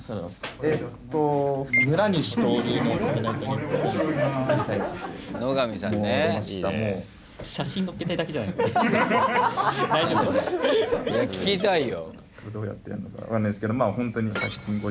え聞きたいよ。